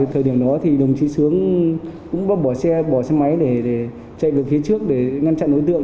thời điểm đó thì đồng chí sướng cũng bóp bỏ xe bỏ xe máy để chạy về phía trước để ngăn chặn đối tượng